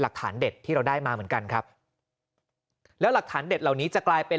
หลักฐานเด็ดที่เราได้มาเหมือนกันครับแล้วหลักฐานเด็ดเหล่านี้จะกลายเป็น